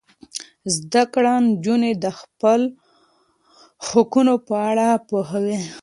زده کړه نجونې د خپل حقونو په اړه پوهوي.